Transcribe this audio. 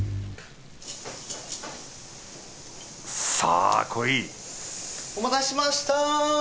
さぁこいお待たせしました！